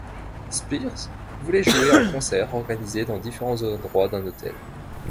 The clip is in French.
Spears voulait jouer un concert organisé dans différents endroits d'un hôtel.